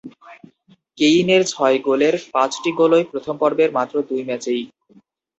কেইনের ছয় গোলের পাঁচটি গোলই প্রথম পর্বের মাত্র দুই ম্যাচেই।